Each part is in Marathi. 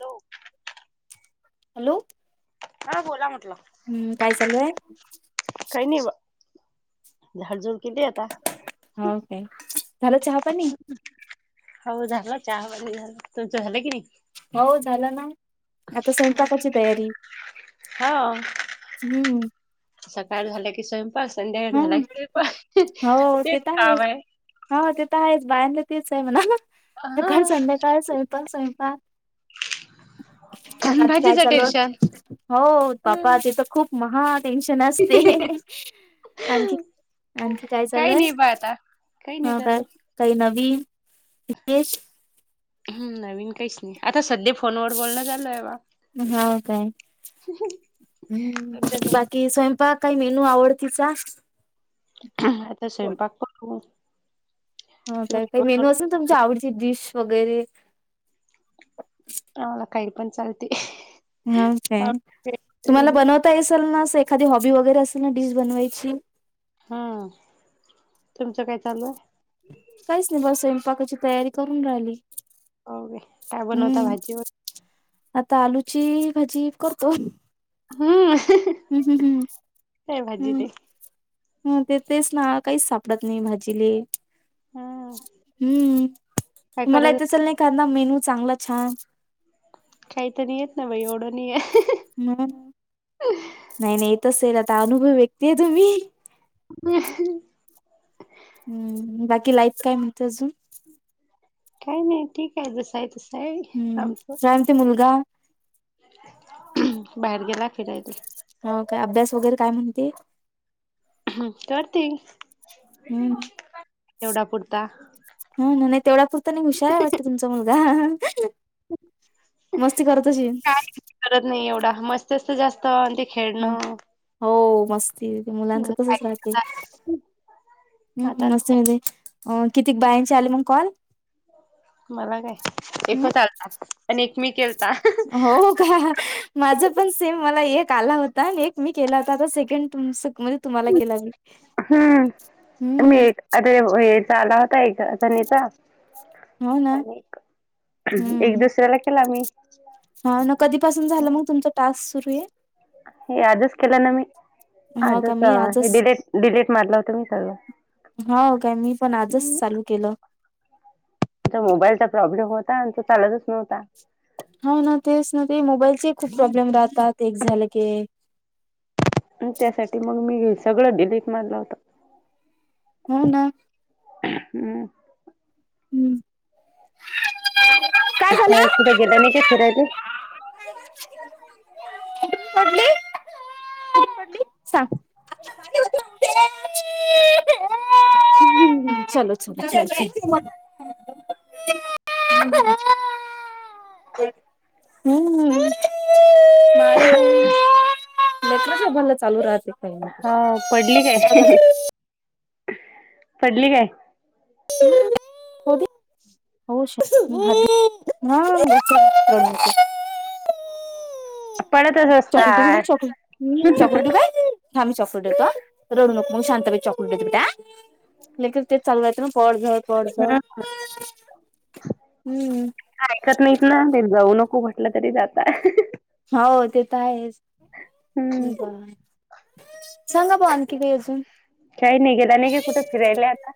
होऊ हॅलो हा बोला म्हटलं हम्म काय चालूय काही नाही झाडझुड किती आता हो काय झालं चहा पणीि होऊ झालं चहा ह प झालं तू तो झाले क नाही हो झालं ना आता स्वयंपाकाची तयारी हो हम्म सकाळ झाल्या की स्वयंपाक संध्याकाळी झाला हम्म की स्वयंपाक. हो तेच तिथं काम आहेच आहे. हो तिथं आहेच बायाला तीच आहे म्हणा ना. सकाळ हा संध्याकाळ स्वयंपाक स्वयंपाक. काय भाजीचं टेन्शन चालवत हो बापा हम्म तिथं खूप महा टेन्शन असते आणखी आणखी काय काही चालूय नाही बा आता. काही नाही हो काय चालू काही ना नवीन रश [unintelligible] हम्म नवीन काहीच नाही आता सध्या फोन व बोलणं चालू आहे बा. हो काय हम्म बाकी स्वयंपाक काही मेनू आवडतीचा? आता स्वयंपाक पण करू. हा काय काही मेनू अस ना तुमच्या आवडची डिश वगैरे. आम्हाला काही पण चालते. हा काय तुम्हाला बनवता येसाल एखादी हॉबी वगैरे असे ना डिश बनवायची. हा तुमचं काय चालू आहे? काहीच नाही बस स्वयंपाकाची तयारी करून राहिली. हो का काय बनवता हम्म भाजी मग आता आलूची भाजी करतो. हम्म हम्म हम्म काय हम्म भाजी ते हम्म ह ते तेच ना काहीच सापडत नाही भाजीले. हा हम्म काय मला करत येत असल नाही एखादा मेनू चांगला छान. काही तर नाही येत ना बाई एवढं नाही आहे. हम नाही नाही येतसेल आता अनुभव व्यक्तीय तुम्ही. हम हम्म बाकी लाईफ काय म्हणत अजून? काही नाही ठीक आहे जसं आहे तसं. आहे हम्म आमचं चालते मुलगा बाहेर गेला फिराय ला. हो काय अभ्यास वगैरे काय म्हणते. हम् करते. एवढा पुरता हा ना नाही तेवढा पुुरता नाही हुशार वाटत तुमचा मुलगा. मस्ती करत अशील काय करत नाही एवढा मस्त अस जास्त आणि ते ह खेळणं. हो मस्ती मुलांच तसच राहत हम्म आता मस्त नाही म्ह अ किती बायांचे आले मग कॉल? मला काय हम्म एकच आला पण एक मी केलता. हो का माझ पण सेम मला एक आला होता एक मी केला होता आता सेकंड तुमच. म्हणजे तुम्हाला केला हम्म हम्म. चाला होता एक सनीचा हो ना [unintelligible] अ एक हम्म दुसऱ्याला केला मी? हा न कधीपासून झालं मग तुमचा टास्क सुरू आहे. हे आजच केलं ना मी हो का आजच मी हे आजच डिलीट डिलेट मारलं होत मी सगळं. हो काय मी पण आजच चालू केलं. मोबाईलचा प्रॉब्लेम होता आणि तो चालतच नव्हता. हो ना तेच ना ते मोबाईल खूप प्रॉब्लेम राहत राहते एक झालं की. त्यासाठी मग मी सगळं डिलीट मारलं आता. हो ना. हम् हम् काय झालं. कुठं गेल्या नाही काय फिरायले? [unintelligible] सां ह ह् चलो चल चल. हम्म हम् रा़त्रभल चालू राहते. काही ना हा पडली काही. काय पडली काय. होती. होश [unintelligible] पडतच चॉकलेट देऊ होय असतात. चॉकलेट हम चॉकलेट देऊ काय थांमी चकलेट देतो रडू नको मग शांता बैस चॉकलेट देते बेटा किन ते चालू राहेत ना पडझ पडझ आयकत नाहीत ना ते जाऊ नको म्हटलं तरी जातय. हो ते तर आहेच. हम्म सांगा बो आणखी काय अजून काही नाही गेला नाही का कुठं फिरायला आता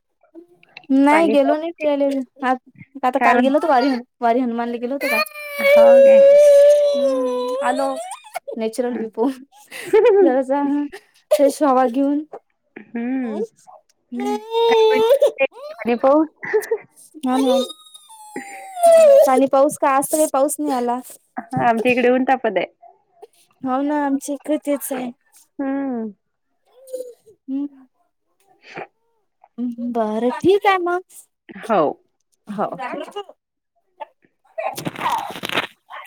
नाही पाणी गेलो पाऊस नाही फि आ आता काय काल गेलो होत वारीन वारीन मानले गेलो होत का हाव काय. आलो हम्म. नॅचरलयुपो जरास सहा वाजले पाणी पाऊस हा चाली पाऊस का असत का पाऊस नाही आला. हा आमच्या इकडे ऊन टापद हाय हो ना आमची इकडे तेच हाय. हम्म हम्. ह. बरं ठीक हाय मग. हो. हो.